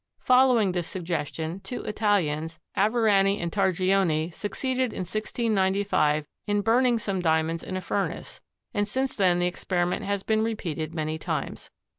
Following this suggestion two Italians, Averani and Targioni, succeeded in 1695 in burning some Diamonds in a furnace, and since then the experiment has been repeated many times.